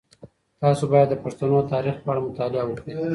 تاسو باید د پښتنو د تاریخ په اړه مطالعه وکړئ.